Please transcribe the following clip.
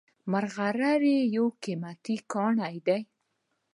ملغلرې یو قیمتي کاڼی دی